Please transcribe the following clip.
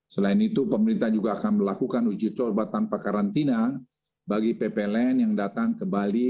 selain itu pemerintah juga akan melakukan uji coba tanpa karantina bagi ppln yang datang ke bali